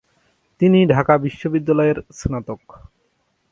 তিনি ঢাকা বিশ্ববিদ্যালয়ের স্নাতক।